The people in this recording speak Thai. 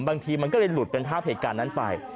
บางทีมันก็เลยหลุดเป็นภาพเหตุการณ์นั้นไป